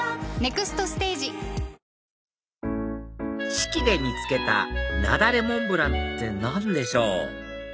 志木で見つけた雪崩モンブランって何でしょう？